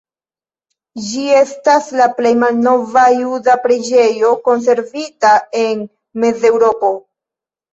Ĝi estas la plej malnova juda preĝejo konservita en Mezeŭropo.